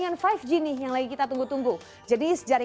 apa yang terjadi